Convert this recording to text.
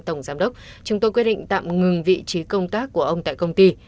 tổng giám đốc chúng tôi quyết định tạm ngừng vị trí công tác của ông tại công ty